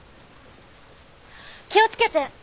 気をつけて！